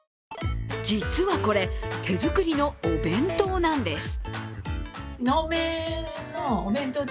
実はこれ、手作りのお弁当なんです。